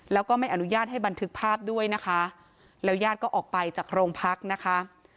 แล้วก็ไม่อนุญาตให้บันทึกภาพด้วยนะคะแล้วญาติก็ออกไปจากโรงพักนะคะ